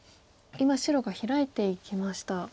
今白がヒラいていきました。